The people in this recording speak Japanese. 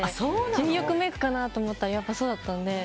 純欲メイクかなと思ったらやっぱりそうだったので。